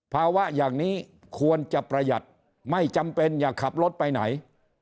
ภาวะอย่างนี้ควรจะประหยัดไม่จำเป็นอย่าขับรถไปไหน